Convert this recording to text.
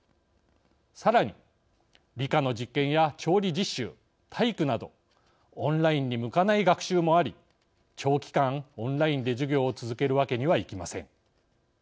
さらに理科の実験や調理実習体育などオンラインに向かない学習もあり長期間オンラインで授業を続けるわけにはいきません。